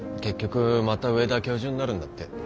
結局また上田教授になるんだって。